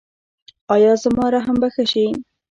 ایا زما رحم به ښه شي؟